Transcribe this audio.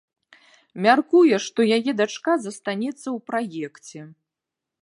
Мяркуе, што яе дачка застанецца ў праекце.